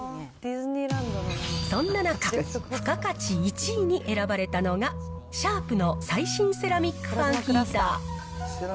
そんな中、付加価値１位に選ばれたのが、シャープの最新セラミックファンヒーター。